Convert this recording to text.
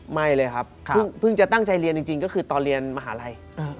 ไม่เลยครับเพิ่งจะตั้งใจเรียนจริงก็คือตอนเรียนมหาลัย